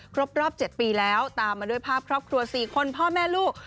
ครบรอบ๗ปีแล้วตามมาด้วยภาพครอบครัว๔คนพ่อแม่ลูก